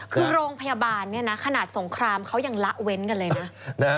คือโรงพยาบาลเนี่ยนะขนาดสงครามเขายังละเว้นกันเลยนะ